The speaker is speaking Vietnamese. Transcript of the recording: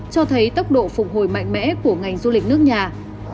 cho thấy tốc độ phục hồi mạnh mẽ của ngành du lịch nước nhà